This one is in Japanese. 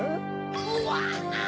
うわ！